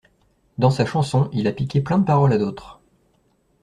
Dans sa chanson il a piqué plein de paroles à d'autres.